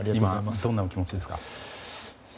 今どんなお気持ちですか？